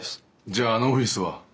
じゃああのオフィスは？